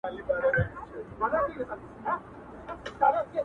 دوی دوه اطاقونه درلودل